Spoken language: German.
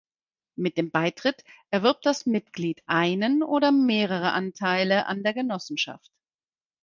Mit dem Beitritt erwirbt das Mitglied einen oder mehrere Anteile an der Genossenschaft.